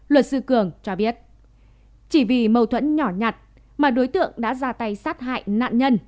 luật sư cường cho biết chỉ vì mâu thuẫn nhỏ nhặt mà đối tượng đã ra tay sát hại nạn nhân